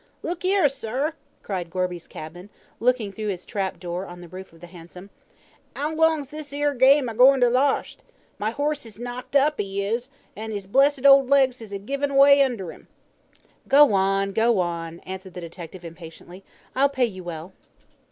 "Look 'ere, sir!" cried Gorby's cabman, looking through his trap door in the roof of the hansom, "'ow long's this 'ere game agoin' to larst? My 'oss is knocked up, 'e is, and 'is blessed old legs is agivin' way under 'im!" "Go on! go on!" answered the detective, impatiently; "I'll pay you well."